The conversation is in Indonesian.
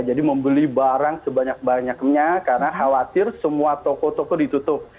membeli barang sebanyak banyaknya karena khawatir semua toko toko ditutup